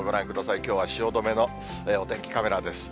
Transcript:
きょうは汐留のお天気カメラです。